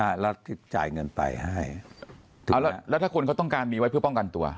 แล้วจ่ายเงินไปให้เอาแล้วแล้วถ้าคนเขาต้องการมีไว้เพื่อป้องกันตัว